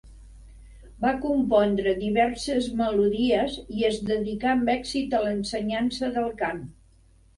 Va compondre diverses melodies i es dedicà amb èxit a l'ensenyança del cant.